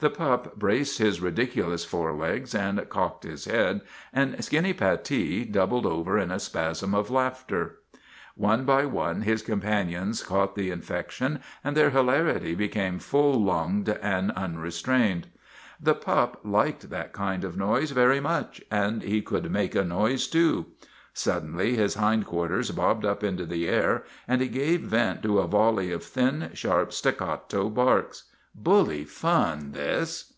The pup braced his ridiculous forelegs and cocked his head, and Skinny Pattee doubled over in a spasm of laughter. One by one his companions caught the infection and their hilarity became full lunged and unre strained. The pup liked that kind of noise very much ; and he could make a noise, too. Suddenly his hind quarters bobbed up into the air and he gave vent to a volley of thin, sharp, staccato barks. Bully fun, this!